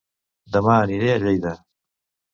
Dema aniré a Lleida